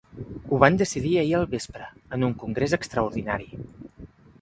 Ho van decidir ahir al vespre, en un congrés extraordinari.